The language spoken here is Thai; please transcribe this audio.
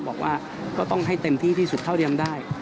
บอกว่าก็ต้องให้เต็มที่ที่สุดเท่าเทียมได้